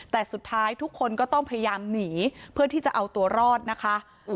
แต่สุดท้ายทุกคนก็ต้องพยายามหนีเพื่อที่จะเอาตัวรอดนะคะ